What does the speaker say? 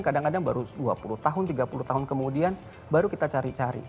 kadang kadang baru dua puluh tahun tiga puluh tahun kemudian baru kita cari cari